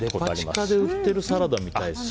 デパ地下で売っているサラダみたいですね。